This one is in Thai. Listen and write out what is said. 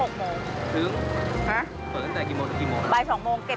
ถึงเพิ่งตั้งแต่กี่โมงตั้งแต่กี่โมงนะครับ